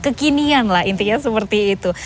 kekinian lah intinya seperti itu